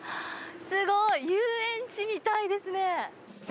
すごい、遊園地みたいですね。